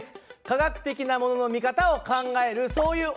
科学的なものの見方を考えるそういう。